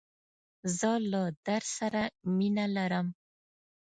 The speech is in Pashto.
زه له درس سره مینه لرم.